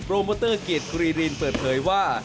โปรโมเบอร์เตอร์เกียสครีรินเปิดเคยว่า